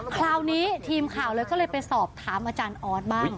คราวนี้ทีมข่าวเลยก็เลยไปสอบถามอาจารย์ออสบ้าง